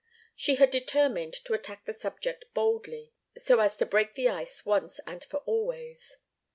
She had determined to attack the subject boldly, so as to break the ice once and for always.